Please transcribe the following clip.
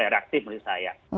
reaktif menurut saya